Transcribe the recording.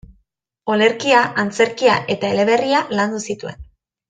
Olerkia, antzerkia eta eleberria landu zituen.